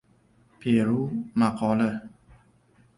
Peru maqoli